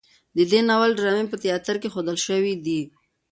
د دې ناول ډرامې په تیاتر کې ښودل شوي دي.